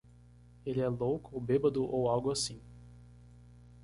Ele é louco ou bêbado ou algo assim.